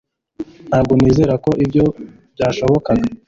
Ntabwo nizera ko ibyo byashobokaga.